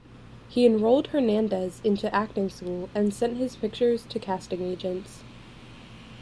He enrolled Hernandez into acting school and sent his pictures to casting agents.